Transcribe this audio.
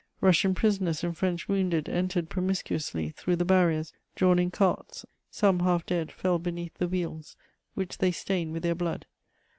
Russian prisoners and French wounded entered promiscuously through the barriers, drawn in carts: some, half dead, fell beneath the wheels, which they stained with their blood.